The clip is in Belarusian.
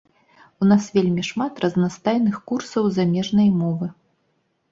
У нас вельмі шмат разнастайных курсаў замежнай мовы.